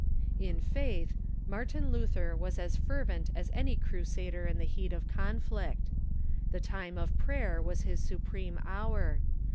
In faith, Martin Luther was as fervent as any crusader in the heat of conflict. The time of prayer was his supreme hour.